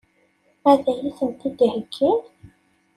Ad iyi-tent-id-heggin?